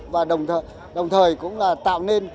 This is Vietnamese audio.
và đồng thời cũng là tạo nên